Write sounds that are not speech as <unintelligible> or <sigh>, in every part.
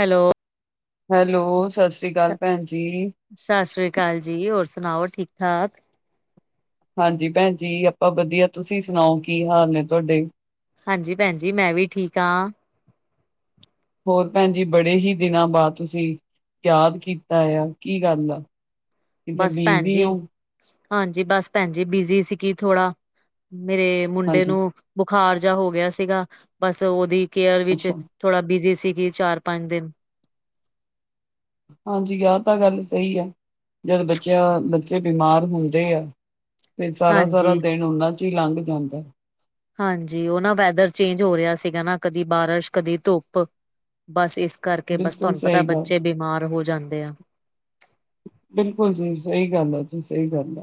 Hello. Hello, ਸਸ੍ਰੀ ਕਾਲ ਪੈਣ ਜੀ। ਸਸ਼੍ਰੀ ਕਾਲ ਜੀ, ਹੋਰ ਸੁਣਾਓ ਠੀਕ- ਠਾਕ? ਹਾਂਜੀ ਪੈਣ ਜੀ, ਆਪਾਂ ਬਧੀਆ ਤੁਸੀ ਸੁਣਾਓ ਕੀ ਹਾਲ ਨੇ ਤਹਾਡੇ? ਹਾਂਜੀ। ਪੈਣ ਜੀ ਮੈਂ ਵੀ ਠੀਕ ਆ। ਹੋਰ ਪੈਣ ਜੀ ਬੜੇ ਹੀ ਦਿਨਾਂ ਬਾਦ ਤੁਸੀ ਯਾਦ ਕੀਤਾ ਯਾ ਕੀ ਗੱਲ ਐ? ਬਸ ਭੈਣ ਜੀ, ਹਾਂਜੀ। ਬਸ ਭੈਣ ਜੀ ਬਿਜੀ ਸੀਗੀ ਥੋੜਾ। ਮੇਰੇ ਮੁੰਡੇ ਹਾਂਜੀ, ਨੂੰ ਬੁਖਾਰ ਜਯਾ ਹੋ ਗਯਾ ਸੀਗਾ, ਬਸ ਉਹਦੀ ਕੇਅਰ ਵਿੱਚ ਅੱਛਾ ਥੋੜਾ ਬੀਜੀ ਸੀਗੀ ਚਾਰ- ਪੰਜ ਦਿਨ। ਹਾਂਜੀ ਆ ਤਾਂ ਗੱਲ ਸਹੀ ਆ, ਜਦ ਬੱਚਿਆਂ ਬੱਚੇ ਬਿਮਾਰ ਹੁੰਦੇ ਆ ਫੇਰ ਸਾਰਾ- ਸਾਰਾ ਹਾਂਜੀ। ਦਿਨ ਉਨਾਂ ਚ ਈ ਲੰਘ ਜਾਂਦੈ। ਹਾਂਜੀ। ਉਹ ਨਾ ਵੈਦਰ ਚੇਂਜ ਹੋ ਰਯਾ ਸੀਗਾ ਨਾ, ਕਦੀ ਬਾਰਸ਼ ਕਦੀ ਧੁੱਪ। ਬਸ ਇਸ ਕਰਕੇ ਬਸ ਬਿਲਕੁਲ ਤਵਾਨੂੰ ਪਤਾ ਸਹੀ ਗੱਲ, ਬੱਚੇ ਬਿਮਾਰ ਹੋ ਜਾਂਦੇ ਆ। ਬਿਲਕੁਲ ਜੀ। ਸਹੀ ਗੱਲ ਐ ਜੀ ਸਹੀ ਗੱਲ ਐ।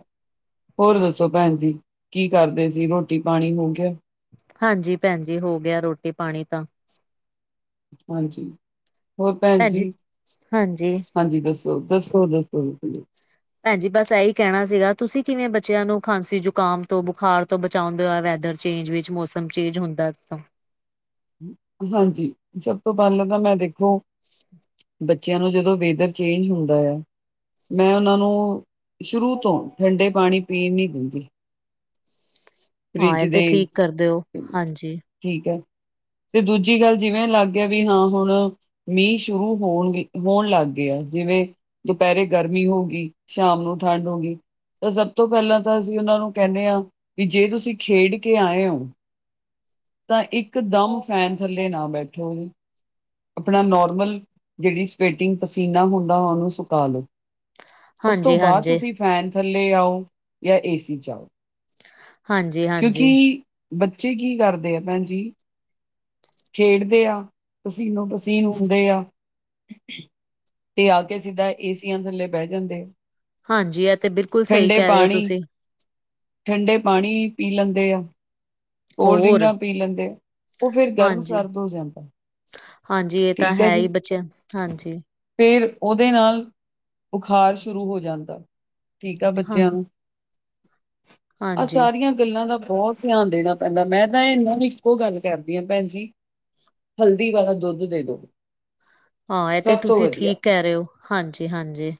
ਹੋਰ ਦੱਸੋ ਪੈਣ ਜੀ ਕੀ ਕਰਦੇ ਸੀ? ਰੋਟੀ- ਪਾਣੀ ਹੋ ਗਯਾ? ਹਾਂਜੀ ਭੈਣ ਜੀ। ਹੋ ਗਆ ਰੋਟੀ- ਪਾਣੀ ਤਾਂ। ਹਾਂਜੀ। ਹੋਰ ਭੈਣ ਜੀ, ਹਾਂਜੀ ਹਾਂਜੀ ਦਸੋ? ਸੋ ਦੱਸੋ- ਦੱਸੋ ਜੀ ਤੁਹੀ? ਭੈਣ ਜੀ ਬਸ ਇਹੀ ਕਹਿਣਾ ਸੀਗਾ, ਤੁਸੀਂ ਕਿਵੇਂ ਬੱਚਿਆਂ ਨੂੰ ਖਾਂਸੀ ਜ਼ੁਕਾਮ ਤੋਂ ਬੁਖਾਰ ਤੋਂ ਚਾਂਦੇ ਆ, ਵੈਦਰ ਚੇਂਜ ਵਿੱਚ ਮੌਸਮ ਚੇਂਜ ਹੁੰਦਾ ਜਿੱਦਾਂ ਹਾਂਜੀ, ਸਭ ਤੋਂ ਪਹਿਲਾਂ ਤਾਂ ਮੈਂ ਦੇਖੋ ਬ ਬੱਚਿਆਂ ਨੂੰ ਜਦੋਂ ਵੇਦਰ ਚੇਂਜ ਹੁੰਦਾ ਆ। ਮੈਂ ਉਹਨਾਂ ਨੂੰ ਸ਼ੁਰੂ ਤੋਂ ਡੰਡੇ ਪਾਣੀ ਪੀਣ ਨੀ ਦਿੰਦੀ। ਹਾਂ ਫਰਿੱਜ ਇਹ ਤੇ ਦੇ ਠੀਕ ਕਰ ਦੇ ਓ, ਹਾਂਜੀ। ਠੀਕ ਹੈ, ਤੇ ਦੂਜੀ ਗੱਲ ਜਿਵੇਂ ਲੱਗ ਗਿਆ ਵੀ ਹਾਂ ਹੁਣ ਮੀਂਹ ਸ਼ੁਰੂ ਹੋਣਗੇ ਹੋਣ ਲੱਗ ਗੇ ਆ, ਜਿਵੇਂ ਦੁਪਹਿਰੇ ਗਰਮੀ ਹੋਗੀ ਸ਼ਾਮ ਨੂੰ ਠੰਡ ਹੋਗੀ। ਤਾਂ ਸਭ ਤੋਂ ਪਹਿਲਾਂ ਤਾਂ ਅਸੀਂ ਉਹਨਾਂ ਨੂੰ ਕਹਿਣੇ ਆ ਵੀ ਜੇ ਤੁਸੀਂ ਖੇਡ ਕੇ ਆਏ ਓ ਤਾਂ ਇੱਕ ਦਮ ਫੈਨ ਥੱਲੇ ਨਾ ਬੈਠੋ ਜੇ। ਆਪਣਾ ਨੋਰਮਲ ਜਿਹੜੀ ਸਵੈਟਿੰਗ ਪਸੀਨਾ ਹੁੰਦਾਾ ਉਹਨੂੰ ਸੁਕਾ ਲਓ। ਉਸ ਤੋਂ ਹਾਂਜੀ ਬਾਅਦ ਹਾਂਜੀ ਤੁਸੀਂ ਫੈਨ ਥੱਲੇ ਆਓ, ਜਾਂ ਏਸੀ ਚ ਆਓ। ਹਾਂਜੀ ਕਿਉਂਕੀ ਹਾਂਜੀ ਬੱਚੇ ਕੀ ਕਰਦੇ ਆ ਭੈਣ ਜੀ? ਖੇਡਦੇ ਆ, ਪਸੀਨੋ ਪਸੀਨ ਔਂਦੇ ਆ। ਤੇ ਆ ਕੇ ਸਿੱਧਾ ਏਸੀਆਂ ਥੱਲੇ ਬਹਿ ਜਾਂਦੇ ਆ। ਹਾਂਜੀ ਇਹ ਤੇ ਬਿਲਕੁਲ ਸਹੀ ਠੰਡੇ ਕਹਿ ਰਹੇ ਓ ਪਾਣੀ ਤੁਸੀਂ। ਠੰਡੇ ਪਾਣੀ ਪੀ ਲੈਂਦੇ ਆ। ਕੋਲਡ ਹੋਰ ਡਰਿੰਕਾਂ ਪੀ ਲੈਂਦੇ, ਔਹ ਫੇਰ ਗਰਮ ਹਾਂਜੀ ਸਰਦ ਹੋ ਜਾਂਦਾ, ਹਾਂਜੀ ਇਹ ਤਾਂ ਠੀਕ ਆ ਹੈ ਜੀ। ਹੀ ਬੱਚਿਆਂ ਹਾਂਜੀ ਫੇਰ ਉਹਦੇ ਨਾਲ ਬੁਖਾਰ ਸ਼ੁਰੂ ਹੋ ਜਾਂਦਾ। ਟੀਕਾ ਹਾਂ ਬੱਚਿਆਂ ਨੂੰ ਆਹ ਹਾਂਜੀ ਸਾਰੀਆਂ ਗੱਲਾਂ ਦਾ ਬਹੁਤ ਧਿਆਨ ਦੇਣਾ ਪੈਂਦਾ, ਮੈਂ ਤਾਂ ਇਹਨਾਂ ਨੂੰ ਇੱਕੋ ਗੱਲ ਕਰਦੀ ਹਾਂ ਭੈਣ ਜ ਜੀ ਹਲਦੀ ਵਾਲਾ ਦੁੱਧ ਦੇ ਦੋ। ਹਾਂ ਇਹ ਤੇ ਸਭ ਤੋਂ ਤੁਸੀਂ ਵਧੀਆ ਠੀਕ ਕਹਿ ਰਹੇ ਹੋ ਹਾਂਜੀ, ਹਾਂਜੀ।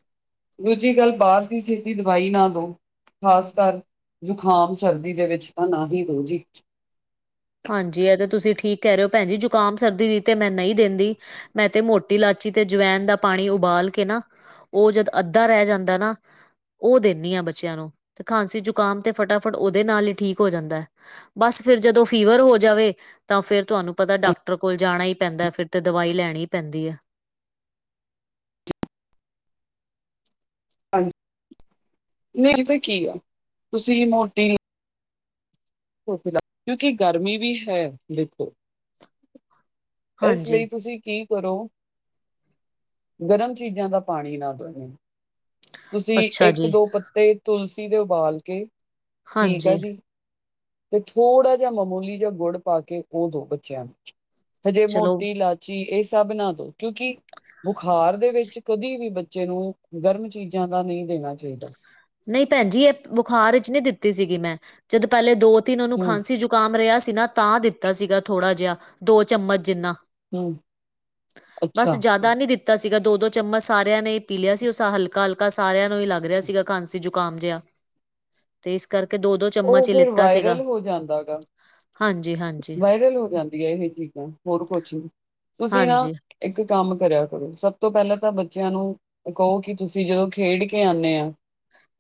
ਦੂਜੀ ਗੱਲ ਬਾਹਰ ਦੀ ਛੇਤੀ ਦਵਾਈ ਨਾ ਦੋ‌। ਖ਼ਾਸ ਕਰ ਜ਼ੁਕਾਮ ਸਰਦੀ ਦੇ ਵਿੱਚ ਤਾਂ ਨਾ ਹੀ ਦਿਉ ਜੀ। ਹਾਂਜੀ ਆ ਤੇ ਤੁਸੀਂ ਠੀਕ ਕਹਿ ਰਹੇ ਹੋ, ਭੈਣ ਜੀ ਜੁਕਾਮ ਸਰਦੀ ਦੀ ਤੇ ਮੈਂ ਨਹੀਂ ਦਿੰਦੀ। ਮੈਂ ਤੇ ਮੋਟੀ ਲਾਚੀ ਤੇ ਜਵੈਨ ਦਾ ਪਾਣੀ ਉਬਾਲ ਕੇ ਨਾ ਉਹ ਜਦ ਅੱਧਾ ਰਹਿ ਜਾਂਦਾ ਨਾ ਉਹ ਦਿੰਦੀ ਆ ਬੱਚਿਆਂ ਨੂੰ, ਤੇ ਖਾਂਸੀ ਜ਼ੁਕਾਮ ਤੇ ਫਟਾਫਟ ਉਹਦੇ ਨਾਲ ਹੀ ਠੀਕ ਹੋ ਜਾਂਦਾ ਐ। ਬਸ ਫਿਰ ਜਦੋਂ ਫੀਵਰ ਹੋ ਜਾਵੇ ਤਾਂ ਫੇਰ ਤੁਹਾਨੂੰ ਪਤਾ ਡਾਕਟਰ ਕੋਲ ਜਾਣਾ ਹੀ ਪੈਂਦਾ, ਫੇਰ ਤੇ ਦਵਾਈ ਲੈਣੀ ਪੈਂਦੀ ਹੈ। ਹਾਂਜੀ, ਨਹੀਂ ਇਹ ਤਾਂ ਕੀ ਆ ਤੁਸੀਂ ਮੋਟੀ ਕੋਕ ਲਾ, ਕਿਉਂਕਿ ਗਰਮੀ ਵੀ ਹੈ ਦੇਖੋ ਇਸ ਹਾਂਜੀ ਲਈ ਤੁਸੀਂ ਕੀ ਕਰੋ, ਗਰਮ ਚੀਜ਼ਾਂ ਦਾ ਪਾਣੀ ਨਾ ਦੋਵੋਂ। ਤੁਸੀ ਅੱਛਾ ਇੱਕ ਜੀ ਦੋ ਪੱਤੇ ਤੁਲਸੀ ਦੇ ਉਬਾਲ ਕੇ ਠੀਕ ਆ ਹਾਂਜੀ ਜੀ ਤੇ ਥੋੜ੍ਹਾ ਜਿਹਾ ਮਾਮੂਲੀ ਜਿਹਾ ਗੁੜ ਪਾ ਕੇ, ਉਹ ਦਿਉ ਬੱਚਿਆਂ ਨੂੰ ਹਜੇ ਚਲੋ ਮੋਟੀ ਲੈ ਚੀ ਇਹ ਸਭ ਨਾ ਦੋ ਕਿਉਕਿ ਬੁਖਾਰ ਦੇ ਵਿੱਚ ਕਦੇ ਵੀ ਬੱਚੇ ਨੂੰ ਗਰਮ ਚੀਜ਼ਾਂ ਦਾ ਨਹੀਂ ਦੇਣਾ ਚਾਹੀਦਾ। ਨਹੀਂ ਭੈਣ ਜੀ ਇਹ ਬੁਖਾਰ ਵਿੱਚ ਨਹੀਂ ਦਿੱਤੀ ਸੀਗੀ, ਮੈਂ ਜਦੋਂ ਪਹਿਲੇ ਦੋ ਤਿੰਨ ਉਹਨੂੰ ਹੂੰ, ਖਾਂਸੀ ਜੁਕਾ ਖੰਗ ਰਿਹਾ ਸੀ ਨਾ ਤਾਂ ਦਿੱਤਾ ਸੀਗਾ ਥੋੜਾ ਜਿਹਾ ਦੋ ਚਮਚ ਜਿੰਨਾ ਹੂੰ ਬਸ ਅੱਛਾ। ਜ਼ਿਆਦਾ ਨਹੀ ਦਿੱਤ ਤਾ ਸੀਗਾ, ਦੋ- ਦੋ ਚਮਚ ਸਾਰਿਆਂ ਨੇ ਹੀ ਪੀ ਲਿਆ ਸੀ ਉਸ ਹਲਕਾ ਹਲਕਾ ਸਾਰਿਆਂ ਨੂੰ ਹੀ ਲੱਗ ਰਿਹਾ ਸੀਗਾ। ਖਾਂਸੀ ਜ਼ੁਕਾਮ ਜਿਹਾ ਤੇ ਇਸ ਕਰਕੇ ਦੋ ਦੋ ਉਹ ਚਮਚ ਹੀ ਫਿਰ ਲਿੱਤਾ ਸੀਗਾ ਵਾਇਰਲ ਹੋ ਜਾਂਦਾ ਗਾ ਹਾਂਜੀ ਹਾਂਜੀ। ਵਾਇਰਲ ਹੋ ਜਾਂਦੀਆਂ ਇਹ ਚੀਜ਼ਾਂ ਹੋਰ ਕੁਛ ਤੁਸੀਂ ਨਾ ਹਾਂਜੀ ਇੱਕ ਕੰਮ ਕਰਿਆ ਕਰੋ ਸਭ ਤੋਂ ਪਹਿਲਾਂ ਤਾਂ ਬੱਚਿਆਂ ਨੂੰ ਕਹੋ ਕਿ ਤੁਸੀਂ ਜਦੋਂ ਖੇਡ ਕੇ ਆਉਂਨੇ ਹੋ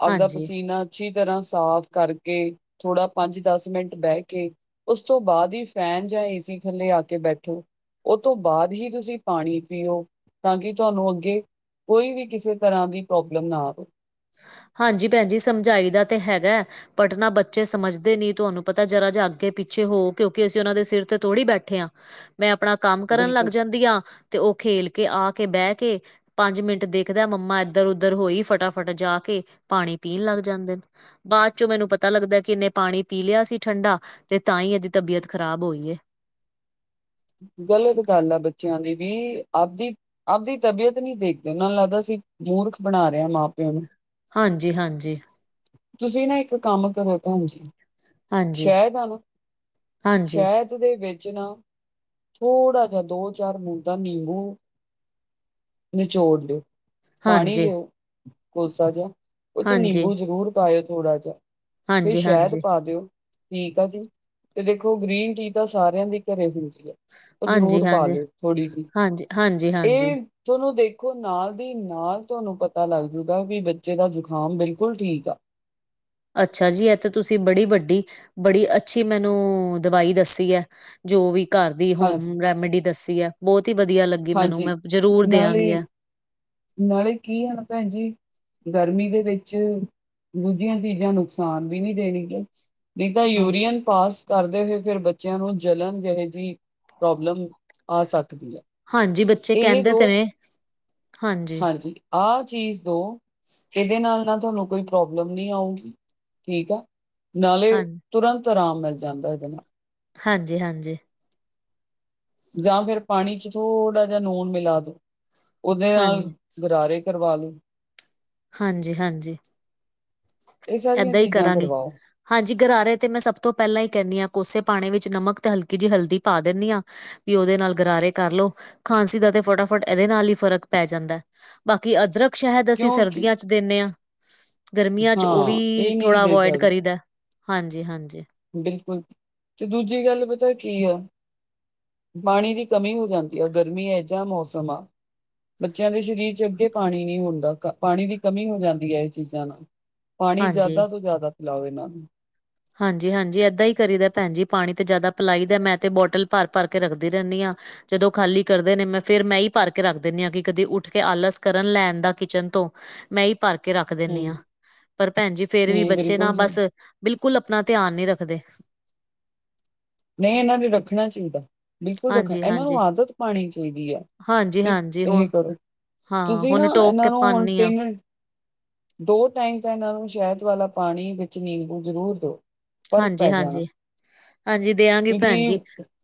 ਆਪਦਾ ਹਾਂਜੀ ਪਸੀਨਾ ਅੱਛੀ ਤਰ੍ਹਾਂ ਸਾਫ ਕਰਕੇ ਕੇ ਥੋੜ੍ਹਾ ਪੰਜ ਦਸ ਮਿੰਟ ਬਹਿ ਕੇ ਉਸ ਤੋਂ ਬਾਅਦ ਹੀ ਫ਼ੈਨ ਜਾਂ ਏਸੀ ਥੱਲੇ ਆ ਕੇ ਬੈਠੋ। ਉਹ ਤੋਂ ਬਾਅਦ ਹੀ ਤੁਸੀਂ ਪਾਣੀ ਪੀਓ ਤਾਂ ਕਿ ਤੁਹਾਨੂੰ ਅੱਗੇ ਕੋਈ ਵੀ ਕਿਸੇ ਤਰ੍ਹਾਂ ਦੀ ਪ੍ਰੋਬਲਮ ਨਾ ਆਵੇ। ਹਾਂਜੀ ਭੈਣ ਜੀ ਸਮਝਾਈ ਦਾ ਤੇ ਹੈਗਾ ਬਟ ਨਾ ਬੱਚੇ ਸਮਝਦੇ ਨੀ ਤੁਹਾਨੂੰ ਪਤਾ ਜਰਾ ਜਾ ਅੱਗੇ ਪਿੱਛੇ ਹੋ ਕਿਉਂਕਿ ਅਸੀਂ ਉਹਨਾਂ ਦੇ ਸਿਰ ਤੇ ਥੋੜ੍ਹੀ ਬੈਠ ਠੇ ਆ ਮੈਂ ਆਪਣਾ ਕੰਮ ਲੱਗ ਬਿਲਕੁਲ ਜਾਂਦੀ ਆ। ਤੇ ਉਹ ਖੇਲ ਕੇ ਆ ਕੇ ਬਹਿ ਕੇ ਪੰਜ ਮਿੰਟ ਦੇਖਦਾ ਮੰਮਾ ਇੱਧਰ ਉਧਰ ਹੋਈ ਫਟਾ ਫਟ ਜਾ ਕੇ ਪਾਣੀ ਪੀਣ ਲੱਗ ਜਾਂਦੇ ਨੇ। ਬਾਅਦ ਚੋਂ ਮੈਨੂੰ ਪਤਾ ਲੱਗਦਾ ਕਿ ਇਨੇ ਪਾਣੀ ਪੀ ਲਿਆ ਸੀ ਠੰਢਾ ਤੇ ਤਾਂ ਹੀ ਇਹਦੀ ਤਬੀਅਤ ਖ਼ਰਾਬ ਹੋਈ ਏ। ਗਲਤ ਗੱਲ ਆ ਬੱਚਿਆਂ ਦੀ ਵੀ ਆਪਦੀ ਆਪਦੀ ਤਬੀਅਤ ਨਹੀਂ ਦੇਖਦੇ ਨਾ ਉਹਨਾਂ ਨੂੰ ਲੱਗਦਾ ਅਸੀਂ ਮੂਰਖ ਬਣਾ ਰਹੇ ਹਾਂ ਮਾਂ ਪਿਓ ਨੂੰ। ਹਾਂਜੀ ਹਾਂਜੀ। ਤੁਸੀਂ ਨਾ ਇੱਕ ਕੰਮ ਕਰੋ ਭੈਣ ਜੀ। ਹਾਂਜੀ ਸ਼ਹਿਦ ਆ ਨਾ ਹਾਂਜੀ ਸ਼ਹਿਦ ਦੇ ਵਿੱਚ ਨਾ ਥੋੜ੍ਹਾ ਜਿਹਾ ਦੋ ਚਾਰ ਬੂੰਦਾਂ ਨਿੰਬੂ ਨਿਚੋੜ ਲਓ। ਪਾਣੀ ਹਾਂਜੀ ਲਿਓ ਕੋਸਾ ਜਿਹਾ ਉਹ ਚ ਹਾਂਜੀ ਨਿੰਬੂ ਜ਼ਰੂਰ ਪਾਇਓ ਥੋੜਾ ਜਿਹਾ। ਫੇਰ ਹਾਂਜੀ ਹਾਂਜੀ ਸ਼ਾਇਦ ਹਾਂਜੀ ਪਾ ਦਿਓ। ਠੀਕ ਆ ਜੀ ਤੇ ਦੇਖੋ ਗ੍ਰੀਨ ਟੀ ਤਾਂ ਸਾਰਿਆਂ ਦੇ ਘਰੇ ਹੁੰਦੀ ਐ। ਉਹ ਹਾਂਜੀ ਜ਼ਰੂਰ ਪਾ ਲਿਓ ਹਾਂਜੀ ਥੋੜ੍ਹੀ ਜਿਹੀ ਹਾਂਜੀ ਹਾਂਜੀ ਇਹ ਤੁਹਾਨੂੰ ਦੇਖੋ ਨਾਲ ਦੀ ਨਾਲ ਤੁਹਾਨੂੰ ਪਤਾ ਲੱਗ ਜੂਗਾ ਵੀ ਬੱਚੇ ਦਾ ਜੁਖਾਮ ਬਿਲਕੁਲ ਠੀਕ ਆ। ਅੱਛਾ ਜੀ ਇਹ ਤਾਂ ਤੁਸੀਂ ਬੜੀ ਵੱਡੀ ਬੜੀ ਅੱਛੀ ਮੈਨੂੰ ਦਵਾਈ ਦੱਸੀ ਹੈ। ਜੋ ਵੀ ਘਰ ਦੀ ਹਾਂਜੀ ਹੋਮ ਰੈਮਡੀ ਦੱਸੀ ਹੈ ਬਹੁਤ ਹੀ ਵਧੀਆ ਲੱਗੀ ਮੈਨੂੰ ਹਾਂਜੀ ਮੈਂ ਜ਼ਰੂਰ ਦਿਆਂਗੀ ਨਾਲੇ ਐ। ਨਾਲੇ ਕੀ ਹੈਨਾ ਭੈਣ ਜੀ ਗਰਮੀ ਦੇ ਵਿੱਚ ਦੂਜੀਆਂ ਚੀਜ਼ਾਂ ਨੁਕਸਾਨ ਵੀ ਨੀ ਦੇਣਗੀਆ। ਨਹੀਂ ਤਾਂ ਹਾਂ, ਯੂਰੀਅਨ ਪਾਸ ਕਰਦੇ ਹੋਏ ਫੇਰ ਬੱਚਿਆਂ ਨੂੰ ਜਲਣ ਜਹੀ ਪ੍ਰੋਬਲਮ ਆ ਸਕਦੀ ਹੈ। ਹਾਂਜੀ ਬੱਚੇ ਇਹ ਕਹਿੰਦੇ ਦੋ ਤੇ ਨੇ ਹਾਂਜੀ। ਆ ਚੀਜ਼ ਦੋ ਇਹਦੇ ਨਾਲ ਨਾ ਤੁਹਾਨੂੰ ਕੋਈ ਪ੍ਰੋਬਲਮ ਨਹੀਂ ਆਊਗੀ ਠੀਕ ਆ। ਨਾਲੇ ਹਾਂ, ਤੁਰੰਤ ਆਰਾਮ ਮਿਲ ਜਾਂਦਾ ਇਹਦੇ ਨਾਲ। ਹਾਂਜੀ ਹਾਂਜੀ। ਜਾਂ ਫੇਰ ਪਾਣੀ ਚ ਥੋੜ੍ਹਾ ਜਿਹਾ ਨੂਣ ਮਿਲਾ ਦੋ ਉਹਦੇ ਨਾਲ ਹਾਂਜੀ, ਗਰਾਰੇ ਕਰਵਾ ਲੋ। ਹਾਂਜੀ ਹਾਂਜੀ ਇਹ ਸਾਰੀਆਂ ਏਦਾਂ ਹੀ ਚੀਜ਼ਾਂ ਕਰਾਂਗੇ। ਕਰਵਾਓ ਹਾਂਜੀ ਗਰਾਰੇ ਤੇ ਮੈਂ ਸਭ ਤੋਂ ਪਹਿਲਾਂ ਹੀ ਕਹਿੰਨੀ ਹਾਂ ਕੋਸੇ ਪਾਣੇ ਵਿੱਚ ਨਮਕ ਤੇ ਹਲਕੀ ਜਿਹੀ ਹਲਦੀ ਪਾ ਦਿੰਦੀ ਆ। ਵੀ ਉਹਦੇ ਨਾਲ ਗਰਾਰੇ ਕਰਲੋ ਖਾਂਸੀ ਦਾ ਤੇ ਫਟਾਫਟ ਇਹਦੇ ਨਾਲ ਹੀ ਫ਼ਰਕ ਪੈ ਜਾਂਦਾ। ਬਾਕੀ ਅਦਰਕ ਸ਼ਹਿਦ ਅਸੀਂ ਕਿਉਂਕਿ ਸਰਦੀਆਂ ਚ ਦੇਨੇ ਆ। ਗਰਮੀਆਂ ਚ ਉਹ ਹਾਂ ਵੀ ਇਹ ਨਹੀਂ ਥੋੜਾ ਦੇ ਅਵੋਇਡ ਸਕਦੇ। ਕਰੀਦਾ ਹਾਂਜੀ ਹਾਂਜੀ। ਬਿਲਕੁਲ ਤੇ ਦੂਜੀ ਗੱਲ ਪਤਾ ਕੀ ਆ ਪਾਣੀ ਦੀ ਕਮੀਂ ਹੋ ਜਾਂਦੀ ਆ ਗਰਮੀ ਇਹ ਜਾ ਮੌਸਮ ਆ ਬੱਚਿਆਂ ਦੇ ਸਰੀਰ ਚ ਅੱਗੇ ਪਾਣੀ ਨਹੀਂ ਹੁੰਦਾ ਪਾਣੀ ਦੀ ਕਮੀ ਹੋ ਜਾਂਦੀ ਐ ਇਹ ਚੀਜ਼ਾਂ ਨਾ ਪਾਣੀ ਹਾਂਜੀ, ਜ਼ਿਆਦਾ ਤੋਂ ਜ਼ਿਆਦਾ ਪਿਲਾਓ ਇਹਨਾਂ ਨੂੰ ਹਾਂਜੀ ਹਾਂਜੀ ਏਦਾਂ ਹੀ ਕਰੀਦਾ ਭੈਨ ਜੀ ਪਾਣੀ ਤੇ ਜ਼ਿਆਦਾ ਪਿਲਾਈ ਦਾ ਮੈਂ ਤੇ ਬੋਟਲ ਭਰ ਭਰ ਕੇ ਰੱਖਦੀ ਰਹਿੰਨੀ ਆ ਜਦੋਂ ਖਾਲੀ ਕਰਦੇ ਨੇ ਮੈਂ ਫਿਰ ਮੈਂ ਈ ਭਰ ਕੇ ਰੱਖ ਦਿੰਦੀ ਹਾਂ ਕਿ ਕਦੀ ਉੱਠ ਕੇ ਆਲਸ ਕਰਨ ਲੈਣ ਦਾ ਕਿਚ ਤੋਂ ਮੈਂ ਈ ਭਰ ਕੇ ਰੱਖ ਦਿੰਦੀ ਹੂੰ, ਹਾਂ ਪਰ ਭੈਣ ਜੀ ਫੇਰ ਵੀ ਹੂੰ ਬੱਚੇ ਨਾ ਬਿਲਕੁਲ ਸਹੀ, ਬਸ ਕੁਲ ਆਪਣਾ ਧਿਆਨ ਨੀ ਰੱਖਦੇ ਨਹੀਂ ਇਹਨਾਂ ਨੇ ਰੱਖਣਾ ਚਈਦਾ ਬਿਲਕੁਲ ਰੱਖਣ ਹਾਂਜੀ, ਇਹਨਾਂ ਨੂੰ ਹਾਂਜੀ, ਆਦਤ ਪਾਣੀ ਚਾਹੀਦੀ ਐ ਹਾਂਜੀ, ਵੀ ਹਾਂਜੀ ਹੁਣ ਇਹ ਕਰੋ ਹਾਂ ਤੁਸੀਂ ਨਾ ਹੁਣ ਟੋਕ ਇਹਨਾਂ ਕੇ ਨੂੰ ਹੁਣ ਪਾਨੀ ਆ ਪੇਮੈਂਟ ਦੋ ਟਾਈਮ ਤਾਂ ਇਹਨਾਂ ਨੂੰ ਸ਼ਹਿਦ ਵਾਲਾ ਪਾਣੀ ਵਿੱਚ ਨਿੰਬੂ ਜ਼ਰੂਰ ਦੋ ਹਾਂਜੀ ਹਾਂਜੀ ਹਾਂਜੀ ਦਿਆਂ ਕਿਉਂਕਿ <unintelligible>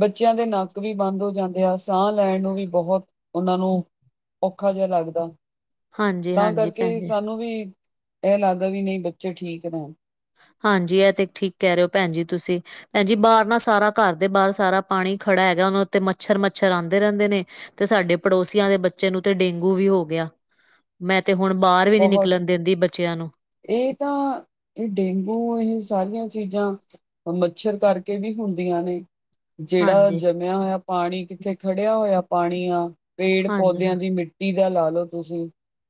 ਬੱਚਿਆਂ ਦੇ ਨੱਕ ਵੀ ਬੰਦ ਹੋ ਜਾਂਦੇ ਆ ਸਾਹ ਲੈਣ ਨੂੰ ਵੀ ਬਹੁਤ ਉਹਨਾਂ ਨੂੰ ਔਖਾ ਜਿਹਾ ਲੱਗਦਾ ਹਾਂਜੀ, ਤਾਂ ਹਾਂਜੀ ਭੈਣ ਕਰਕੇ ਜੀ ਸਾਨੂੰ ਵੀ ਐ ਲੱਗਦਾ ਵੀ ਨਹੀਂ ਬੱਚੇ ਠੀਕ ਰਹਿਣ ਹਾਂਜੀ ਐ ਤੇ ਠੀਕ ਕਹਿ ਰਹੇ ਹੋ ਭੈਨ ਜੀ ਤੁਸੀਂ ਭੈਨ ਜੀ ਬਾਹਰ ਨਾ ਸਾਰਾ ਘਰ ਦੇ ਬਾਹਰ ਸਾਰਾ ਪਾਣੀ ਖੜਾ ਹੈਗਾ ਉਹਨਾਂ ਉੱਤੇ ਮੱਛਰ ਮੱਛਰ ਆਂਦੇ ਰਹਿੰਦੇ ਨੇ ਤੇ ਸਾਡੇ ਪੜੋਸੀਆਂ ਦੇ ਬੱਚੇ ਨੂੰ ਤੇ ਡੇਂਗੂ ਵੀ ਹੋ ਗਿਆ ਮੈਂ ਤੇ ਹੁਣ ਬਾਹਰ ਵੀ ਨੀ ਬਹੁਤ ਨਿਕਲਣ ਦਿੰਦੀ ਬੱਚਿਆਂ ਨੂੰ ਇਹ ਤਾਂ ਇਹ ਡੇਂਗੂ ਇਹ ਸਾਰੀਆਂ ਚੀਜ਼ਾਂ ਉਹ ਮੱਛਰ ਕਰਕੇ ਵੀ ਹੁੰਦੀਆਂ ਨੇ ਜਿਹੜਾ ਹਾਂਜੀ ਜਮਿਆ ਹੋਇਆ ਪਾਣੀ ਕਿੱਥੇ ਖੜਿਆ ਹੋਇਆ ਪਾਣੀ ਆ ਪੇੜ ਹਾਂਜੀ ਪੌਦਿਆਂ ਹਾਂ- ਦੀ ਮਿੱ ਟੀ ਦਾ ਲਾ ਲੋ ਤੁਸੀਂ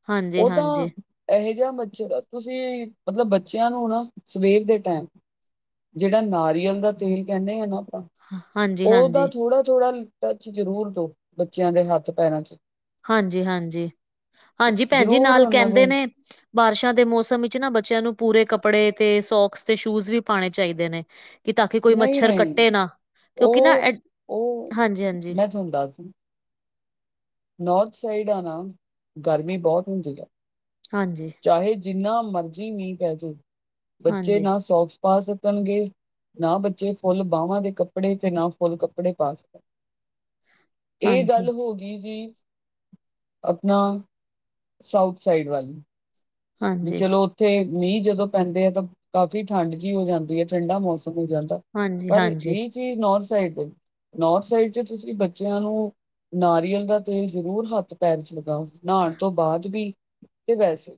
ਹਾਂਜੀ ਉਹ ਹਾਂਜੀ ਤਾਂ ਐਹੇ ਜਿਹਾ ਮੱਛਰ ਐ ਤੁਸੀਂ ਮਤਲਬ ਬੱਚਿਆਂ ਨੂੰ ਨਾ ਸਵੇਰ ਦੇ ਟੈਮ ਜਿਹੜਾ ਨਾਰੀਅਲ ਦਾ ਤੇਲ ਕਹਿੰਨੇ ਆ ਨਾ ਆਪਾਂ ਹਾਂ- ਹਾਂਜੀ ਉਹਦਾ ਹਾਂਜੀ ਥੋੜ੍ਹਾ ਥੋੜ੍ਹਾ ਟਚ ਜ਼ਰੂਰ ਦੋ ਬੱਚਿਆਂ ਦੇ ਹੱਥ ਪੈਰਾਂ ਚ ਹਾਂਜੀ ਹਾਂਜੀ ਹਾਂਜੀ ਭੈਨ ਜੀ ਜ਼ਰੂਰ ਨਾਲ ਉਹਨਾਂ ਦੇ ਕਹਿੰਦੇ ਨੇ ਬਾਰਿਸ਼ਾਂ ਦੇ ਮੌਸਮ ਵਿਚ ਨਾ ਬੱਚਿਆਂ ਨੂੰ ਪੂਰੇ ਕੱਪੜੇ ਤੇ ਸੋਕਸ ਤੇ ਸ਼ੂਜ ਵੀ ਪਾਣੇ ਚਾਹੀਦੇ ਨੇ ਤਾਂ ਕੀ ਕੋਈ ਮੱਛਰ ਨਹੀਂ-ਨਹੀਂ ਕੱਟੇ ਨਾ ਕਿਉਂਕਿ ਨਾ ਐ ਹਾਂਜੀ ਹਾਜੀ ਹੁੰਦਾ ਸ ਨੌਰਥ ਸਾਈਡ ਆ ਨਾ ਗਰਮੀ ਬਹੁਤ ਹੁੰਦੀ ਆ ਹਾਂਜੀ ਚਾਹੇ ਜਿੰਨਾ ਮਰਜ਼ੀ ਮੀਂਹ ਪੈ ਜੇ ਬੱਚੇ ਹਾਂਜੀ ਨਾ ਸੋਕਸ ਪਾ ਸਕਣਗੇ ਨਾ ਬੱਚੇ ਫੁੱਲ ਬਾਹਵਾਂ ਦੇ ਕੱਪੜੇ ਤੇ ਨਾ ਫੁੱਲ ਕੱਪੜੇ ਪਾ ਸਕ ਇਹ ਹਾਂਜੀ, ਗੱਲ ਹੋ ਨੀਜੀ ਆਪਣਾ ਸਾਊਥ ਸਾਈਡ ਵਾਲ ਵੀ ਹਾਂਜੀ, ਚਲੋ ਉੱਥੇ ਮੀਂਹ ਜਦੋਂ ਪੈਂਦੇ ਆ ਤਾਂ ਕਾਫ਼ੀ ਠੰਡ ਜਿਹੀ ਹੋ ਜਾਂਦੀ ਹੈ ਠੰਢਾ ਮੌਸਮ ਹੋ ਜਾਂਦਾ ਹਾਂਜੀ, ਪਰ ਹਾਂਜੀ, ਇਹ ਚੀਜ਼ ਨੋਰ ਸਾਈਡ ਦੇ ਨੋਰ ਸਾਈਡ ਚ ਤੁਸੀਂ ਬੱਚਿਆਂ ਨੂੰ ਨਾਰੀਅਲ ਦਾ ਤੇਲ ਜ਼ਰੂਰ ਹੱਥ ਪੈਰ ਚ ਲਗਾਓ ਨਹਾਣ ਤੋਂ ਬਾਅਦ ਵੀ ਤੇ ਵੈਸੇ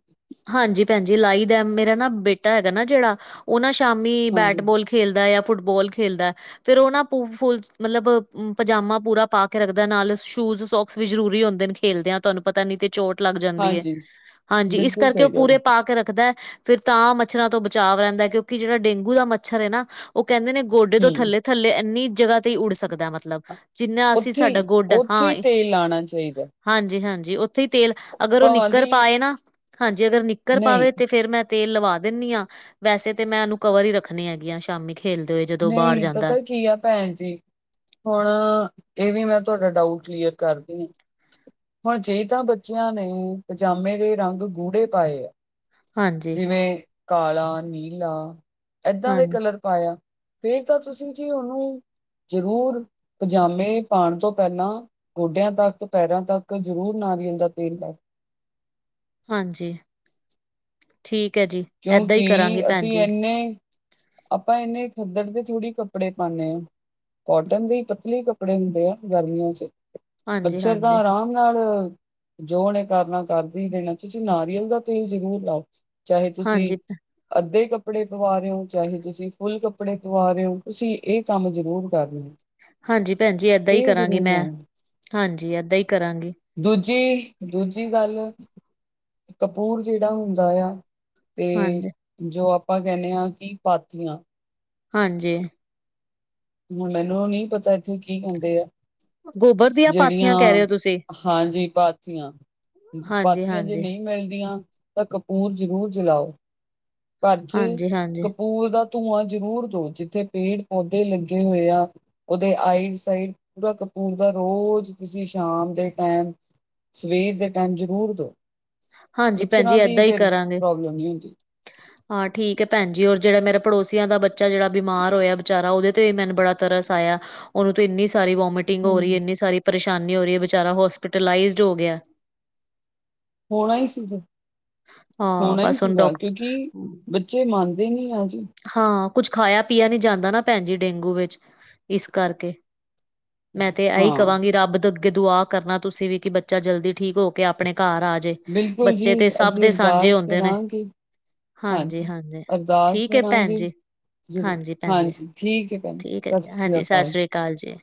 ਹਾਂਜੀ ਭੈਨਜੀ ਲਾਈ ਦਾ ਮੇਰਾ ਨਾ ਬੇਟਾ ਹੈਗਾ ਨਾ ਜਿਹੜਾ ਉਹ ਨਾ ਸ਼ਾਮੀ ਬੈਟ ਹਾਂਜੀ, ਬੋਲ ਖੇਲਦਾ ਆ ਫੁੱਟਬੋਲ ਖੇਲਦਾ ਫੇਰ ਉਹ ਨਾ ਪੂ ਫੁਲ ਮਲਬ ਪਜਾਮਾ ਪੂਰਾ ਪਾ ਕੇ ਰੱਖਦਾ ਨਾਲ ਸ਼ੂਜ ਸੋਕਸ ਵੀ ਜ਼ਰੂਰੀ ਹੁੰਦੇ ਨ ਖੇਲ ਦੇ ਹਾਂ ਤੁਹਾਨੂੰ ਪਤਾ ਨੀ ਤੇ ਚੋਟ ਲੱਗ ਜਾਂਦੀ ਹੈ ਹਾਂਜੀ ਹਾਂਜੀ ਇਸ ਬਿਲਕੁਲ ਕਰਕੇ ਉਹ ਸਹੀ ਗੱਲ ਪੂਰੇ ਪਾ ਕੇ ਰੱਖਦਾ ਫੇਰ ਤਾਂ ਮੱਛਰਾਂ ਤੋਂ ਬਚਾਅ ਰਹਿੰਦਾ ਕਿਉਂਕਿ ਜਿਹੜਾ ਡੇਂਗੂ ਦਾ ਮੱਛਰ ਹੈ ਨਾ। ਉਹ ਕਹਿੰਦੇ ਨੇ ਗੋਡੇ ਤੋਂ ਹੂੰ, ਥੱਲੇ- ਥੱਲੇ ਇੰਨੀ ਜਗਾ ਤੇ ਹੀ ਉਡ ਸਕਦਾ ਏ ਮਤਲਬ। ਮਤਲਬ ਜਿੰਨਾ ਅਸੀਂ ਉੱਥੇ ਸਾਡਾ ਹੀ ਗੋਡ ਉੱਥੇ ਹਾਂ, ਹੀ ਤੇਲ ਲਾਣਾ ਚਾਹੀਦਾ ਹਾਂਜੀ- ਹਾਂਜੀ ਉੱਥੇ ਹੀ ਤੇਲ ਅਗਰ ਉਹ ਭਾਵਾਂ ਦੀ ਨਿੱਕਰ ਪਾਏ ਨਾ ਹਾਂਜੀ ਅਗਰ ਨਕਰ ਨਹੀਂ, ਪਾਵੇ ਤੇ ਫੇਰ ਮੈਂ ਤੇਲ ਲਵਾ ਦਿੰਨੀ ਹਾਂ ਵੈਸੇ ਤੇ ਮੈਂ ਉਹਨੂੰ ਕਵਰ ਹੀ ਰੱਖਣੀ ਹੈਗੀ ਆ। ਸ਼ਾਮੀ ਖੇਲਦੇ ਹੋਏ ਜਦੋਂ ਬਾਰ ਨਹੀਂ ਜਾਂਦਾ। ਪਤਾ ਕੀ ਆ ਭੈਣ ਜੀ, ਹੁਣ ਇਹ ਵੀ ਮੈਂ ਤੁਹਾਡਾ ਡਾਊਟ ਕਲੀਅਰ ਕਰਦੀ ਹਾਂ। ਹੁਣ ਜੇ ਤਾਂ ਬੱਚਿਆਂ ਨੇ ਪਜਾਮੇ ਦੇ ਰੰਗ ਗੂੜੇ ਪਾਏ ਆ, ਹਾਂਜੀ, ਜਿਵੇਂ ਕਾਲਾ, ਨੀਲਾ ਏਦਾਂ ਹਾਂ, ਦੇ ਕਲਰ ਪਾਇਆ, ਫਿਰ ਤਾਂ ਤੁਸੀਂ ਜੀ ਉਹਨੂੰ ਜ਼ਰੂਰ- ਪਜਾਮੇ ਪਾਉਣ ਤੋਂ ਪਹਿਲਾਂ ਗੋਡਿਆਂ ਤੱਕ, ਪੈਰਾਂ ਤੱਕ ਜ਼ਰੂਰ ਨਾਰੀਅਲ ਦਾ ਤੇਲ ਲਾਓ। ਹਾਂਜੀ, ਠੀਕ ਆ ਜੀ। ਏਦਾਂ ਕਿਉਂਕ ਹੀ ਕਰਾਂਗੀ ਭੈਣ ਅਸੀ ਜੀ। ਇੰਨੇ- ਆਪਾਂ ਇਹਨੇ ਖੱਦੜ ਦੇ ਥੋੜੀ ਕੱਪੜੇ ਪਾਉਨੇ ਆ। ਕੋਟਨ ਦੇ ਈ ਪਤਲੇ ਕੱਪੜੇ ਹੁੰਦੇ ਆ ਗਰਮੀਆਂ ਚ। ਮੱਛਰ ਤਾਂ ਹਾਂਜੀ-ਹਾਂਜੀ, ਆਰਾਮ ਨਾਲ, ਜੋ ਉਹਨੇ ਕਰਨਾ ਕਰਦੇ ਪਏ ਆ ਤੁਸੀਂ ਨਾਰੀਅਲ ਦਾ ਤੇਲ ਜ਼ਰੂਰ ਲਾਓ, ਚਾਹੇ ਤੁਸੀਂ- ਹਾਂਜੀ, ਹਾਂਜੀ ਅੱਧੇ ਕੱਪੜੇ ਪਵਾ ਰਹੇ ਹੋ ਚਾਹੇ ਤੁਸੀਂ ਫੁੱਲ ਕੱਪੜੇ ਪਵਾ ਰਹੇ ਹੋ ਤੁਸੀਂ ਇਹ ਕੰਮ ਜ਼ਰੂਰ ਕਰ ਲਿਓ। ਹਾਂਜੀ ਭੈਣ ਜੀ ਏਦਾਂ ਹੀ ਕਰਾਂਗੀ ਮੈਂ ਹਾਂਜੀ ਏਦਾਂ ਹੀ ਕਰਾਂਗੀ। ਦੂਜੀ- ਦੂਜੀ ਗੱਲ ਕਪੂਰ ਜਿਹੜਾ ਹੁੰਦਾ ਏ ਆ। ਤੇ ਹਾਂਜੀ, ਜੋ ਆਪਾਂ ਕਹਿੰਦੇ ਹਾਂ ਕਿ ਪਾਥੀਆਂ। ਹਾਂਜੀ। ਹੁ ਮੈਨੂੰ ਨਹੀਂ ਪਤਾ ਇੱਥੇ ਕੀ ਕਹਿੰਦੇ ਆ। ਗੋਬਰ ਦੀਆਂ ਪਾਥੀਆਂ ਕਹਿ ਜਿਹੜੀਆਂ ਰਹੇ ਹੋ ਤੁਸੀਂ ਹਾਂਜੀ ਪਾਥੀਆਂ, ਪਾਥੀਆਂ ਜੇ ਹਾਂਜੀ-ਹਾਂਜੀ, ਹਾਂਜੀ-ਹਾਂਜੀ, ਨਹੀਂ ਮਿਲਦੀਆਂ ਤਾਂ ਕਪੂਰ ਜਰੂਰ ਜਲਾਓ। ਘਰ ਚ ਹਾਂਜੀ ਹਾਂਜੀ, ਕਪੂਰ ਦਾ ਧੂੰਆਂ ਜ਼ਰੂਰ ਦੋ ਜਿੱਥੇ ਪੇੜ- ਪੌਦੇ ਲੱਗੇ ਹੋਏ ਆ। ਉਹਦੇ ਆਈਸ ਸਾਈਡ ਪੂਰਾ ਕਪੂਰ ਦਾ ਰੋਜ਼ ਤੁਸੀਂ ਸ਼ਾਮ ਦੇ ਟਾਈਮ ਸਵੇਰ ਦੇ ਟਾਈਮ ਜ਼ਰੂਰ ਦਉ, ਹਾਂਜੀ ਭੈਣ ਜੀ ਮੱਛਰਾਂ ਦੀ ਏਦਾਂ ਹੀ ਫੇਰ ਕਰਾਂਗੇ। ਪ੍ਰੋਬਲਮ ਨਹੀਂ ਹੁੰਦੀ। ਹਾਂ ਠੀਕ ਹੈ ਭੈਣਜੀ ਔਰ ਜਿਹੜਾ ਮੇਰਾ ਪੜੋਸੀਆਂ ਦਾ ਬੱਚਾ ਜਿਹੜਾ ਬਿਮਾਰ ਹੋਇਆ ਵਿਚਾਰਾ ਉਹਦੇ ਤੇ ਮੈਨੂੰ ਬੜਾ ਤਰਸ ਆਇਆ ਉਹਨੂੰ ਤਾਂ ਇੰਨੀ ਸਾਰੀ ਵੋਮਿਟ ਟਿੰਗ ਹੋ ਹਮ ਰਹੀ ਹੈ ਇੰਨੀ ਸਾਰੀ ਪਰੇਸ਼ਾਨੀ ਹੋ ਰਹੀ ਹੈ ਵਿਚਾਰਾ ਹੋਸਪੀਟਲਾਈਜ਼ਡ ਹੋ ਗਿਆ। ਹੋਣਾ ਹੀ ਸੀਗਾ। ਹਾਂ ਹੋਣਾ ਹੀ ਬਸ ਹੁਣ ਸੀਗਾ ਕਿਉਂਕਿ, ਡਾਕਟਰ ਬੱਚੇ ਮੰਨਦੇ ਨੀ ਆ ਜੀ। ਹਾਂ ਕੁੱਝ ਖਾਇਆ ਪੀਆ ਨੀ ਜਾਂਦਾ ਨਾ ਭੈਣ ਜੀ ਡੇਂਗੂ ਵਿੱਚ ਇਸ ਕਰਕੇ। ਮੈਂ ਤੇ ਇਹੀ ਹਾਂ ਕਹਾਂਗੀ ਰੱਬ ਦੇ ਅੱਗੇ ਦੁਆ ਕਰਨਾ ਤੁਸੀਂ ਵੀ ਕਿ ਬੱਚਾ ਜਲਦੀ ਠੀਕ ਹੋ ਕੇ ਆਪਣੇ ਘਰ ਆ ਜਾਏ। ਬਿਲਕੁਲ ਜੀ ਅਸੀਂ ਅਰਦਾਸ ਨੇ ਕਰਾਂਗੇ। ਹਾਂਜੀ ਅਰਦਾਸ ਠੀਕ ਹੈ ਭੈਣ ਕਰਾਂਗੇ ਜੀ ਜ਼ਰੂਰ, ਭੈਣ ਜੀ ਹਾਂਜੀ ਠੀਕ ਹੈ। ਭੈਣ ਠੀਕ ਹੈ ਸਤਿ ਜੀ ਸ੍ਰੀ ਹਾਂਜੀ ਅਕਾਲ ਜੀ ਸਾਸਰੀ ਕਾਲ ਜੀ।